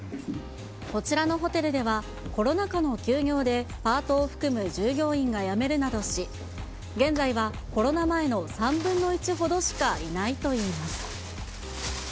こちらのホテルでは、コロナ禍の休業でパートを含む従業員が辞めるなどし、現在はコロナ前の３分の１ほどしかいないといいます。